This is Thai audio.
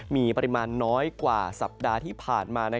มีปริมาณน้อยกว่าสัปดาห์ที่ผ่านมา